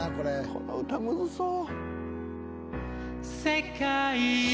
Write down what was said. この歌ムズそう。